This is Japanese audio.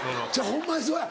ホンマにそうや。